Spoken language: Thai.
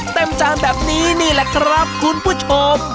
จานแบบนี้นี่แหละครับคุณผู้ชม